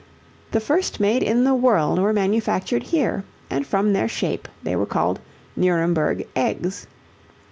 The first made in the world were manufactured here and from their shape they were called "Nuremberg Eggs."